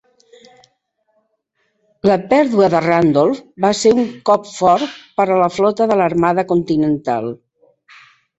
La pèrdua de "Randolph" va ser un cop fort per a la flota de l'Armada Continental.